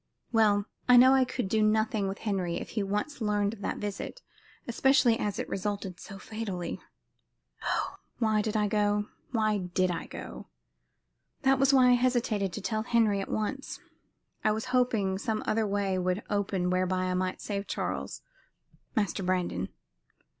"Well, I knew I could do nothing with Henry if he once learned of that visit, especially as it resulted so fatally. Oh! why did I go? Why did I go? That was why I hesitated to tell Henry at once. I was hoping some other way would open whereby I might save Charles Master Brandon.